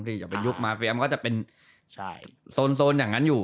อย่างเป็นยุคมาเฟียมก็จะเป็นโซนอย่างนั้นอยู่